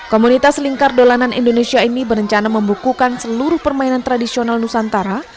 komunitas lingkar dolanan indonesia ini berencana membukukan seluruh permainan tradisional nusantara